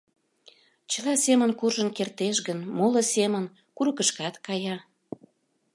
Чыла семын куржын кертеш гын, моло семын курыкышкат кая.